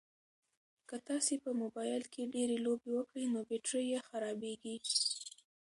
که تاسي په موبایل کې ډېرې لوبې وکړئ نو بېټرۍ یې خرابیږي.